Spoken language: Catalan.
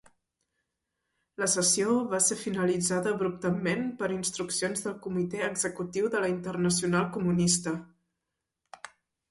La sessió va ser finalitzada abruptament per instruccions del Comitè Executiu de la Internacional Comunista.